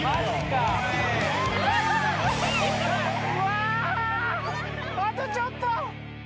うわあとちょっと。